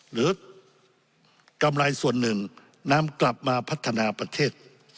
กำไรส่วนหนึ่งนำกลับมาพัฒนาประเทศ